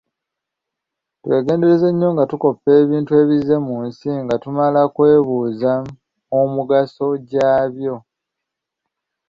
Twegendereze nnyo nga tukoppa ebintu ebizze mu nsi nga tumala kwebuuza omugaso gy'abyo.